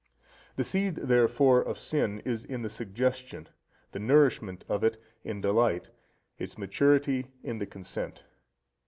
The seed, therefore, of sin is in the suggestion, the nourishment of it in delight, its maturity in the consent.